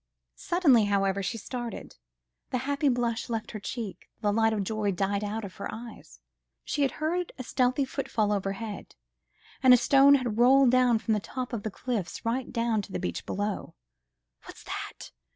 Suddenly, however, she started: the happy blush left her cheek, the light of joy died out of her eyes: she had heard a stealthy footfall overhead, and a stone had rolled down from the top of the cliffs right down to the beach below. "What's that?"